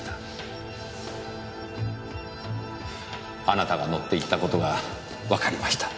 あなたが乗っていった事がわかりました。